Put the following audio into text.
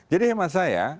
jadi yang masaya